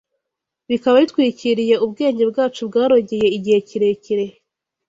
Bikaba bitwikiriye ubwenge bwacu bwarogeye igihe kirekire